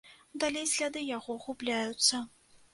Далей сляды яго губляюцца.